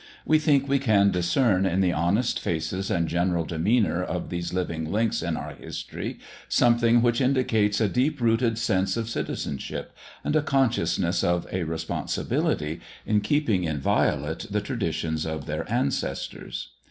We think we can discern in the honest faces and general demeanour of these living links in our history something which indicates a deep rooted sense of citizenship and a consciousness of a responsibility in keeping inviolate the traditions of their ancestors.